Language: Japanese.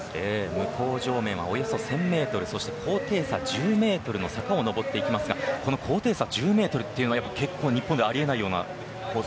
向こう上面はおよそ１０００ｍ高低差１０ｍの坂を上っていきますが高低差１０ｍというのは日本ではありえないようなコース。